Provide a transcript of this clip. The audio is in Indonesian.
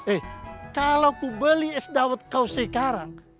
eh kalau aku beli es drawot kau sekarang